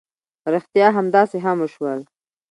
ريښتيا همداسې هم وشول.